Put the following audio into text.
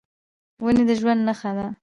ونې د ژوند نښه ده.